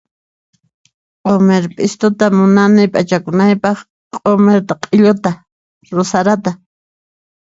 Q'umir p'istuta munani p'achakunaypaq, q'umirta, q'illuta, rusadata,